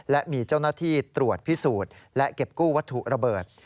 และมีเจ้าหน้าที่ตรวจพิสูจน์และเก็บกู้วัตถุระเบิด